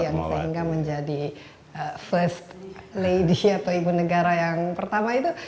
yang sehingga menjadi first lady atau ibu negara yang pertama itu